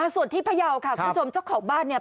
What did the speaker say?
ส่วนที่พยาวค่ะคุณผู้ชมเจ้าของบ้านเนี่ย